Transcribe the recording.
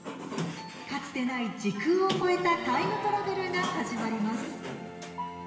かつてない時空を超えたタイムトラベルが始まります。